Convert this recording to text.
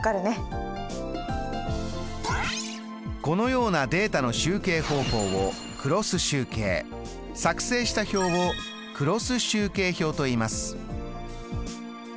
このようなデータの集計方法をクロス集計作成した表をクロス集計表といいます。